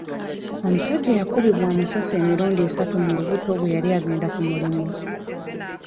Omusajja yakubibwa amasasi emirundi esatu mu lubuto bwe yali agenda ku mulimu.